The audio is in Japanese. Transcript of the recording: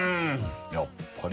やっぱり。